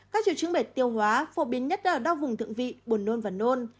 các chiều chứng bệnh tiêu hóa phổ biến nhất ở đau vùng thượng vị buồn nôn và nôn